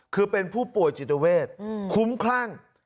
คือเป็นผู้ป่วยจิตเวทคุ้มคลั่ง